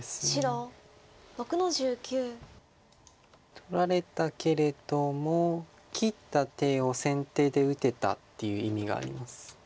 取られたけれども切った手を先手で打てたっていう意味があります。